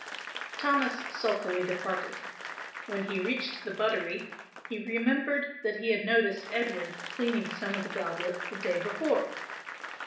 Thomas sulkily departed. When he reached the buttery he remembered that he had noticed Edward cleaning some of the goblets the day before.